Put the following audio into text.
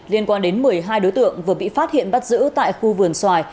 liên quan đến một mươi hai đối tượng vừa bị phát hiện bắt giữ tại khu vườn xoài